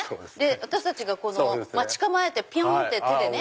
私たちが待ち構えてピョン！って手でね。